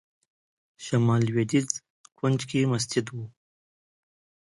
شمال لوېدیځ کونج کې مسجد و.